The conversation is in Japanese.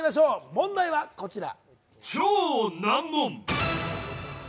問題はこちら。